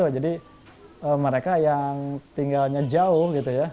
jadi mereka yang tinggalnya jauh